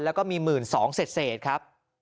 แล้วก็มีหมื่นสองเศษครับ